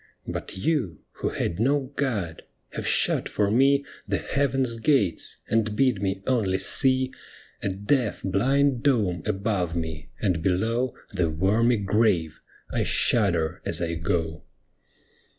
But you, who had no God, have shut for me The Heavens' gates, and bid me only see A deaf, blind dome above me, and below The wormy grave — I shudder as I go.